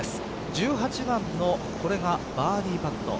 １８番のこれがバーディーパット。